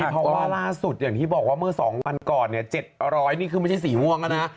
เพราะว่าล่าสุดอย่างที่บอกว่าเมื่อ๒วันก่อน๗๐๐นี่คือไม่ใช่สีม่วงแล้วนะ